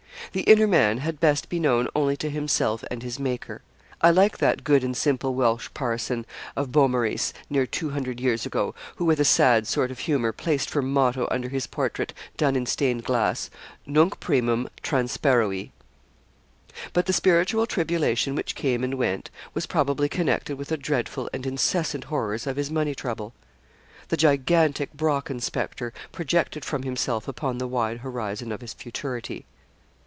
The inner man had best be known only to himself and his Maker. I like that good and simple Welsh parson, of Beaumaris, near two hundred years ago, who with a sad sort of humour, placed for motto under his portrait, done in stained glass, nunc primum transparui. But the spiritual tribulation which came and went was probably connected with the dreadful and incessant horrors of his money trouble. The gigantic Brocken spectre projected from himself upon the wide horizon of his futurity.